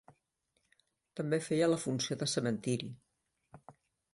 També feia la funció de cementiri.